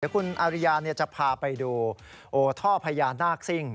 เดี๋ยวคุณอาริยาเนี่ยจะพาไปดูโอ้ท่อพญานาคสิ้ง